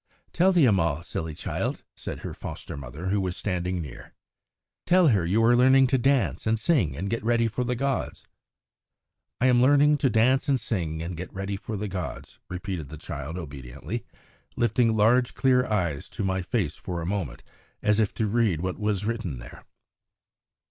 "Tell the Ammal, silly child!" said her foster mother, who was standing near. "Tell her you are learning to dance and sing and get ready for the gods!" "I am learning to dance and sing and get ready for the gods," repeated the child obediently, lifting large, clear eyes to my face for a moment as if to read what was written there.